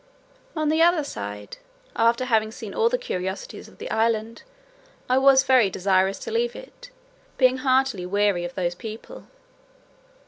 On the other side, after having seen all the curiosities of the island, I was very desirous to leave it, being heartily weary of those people.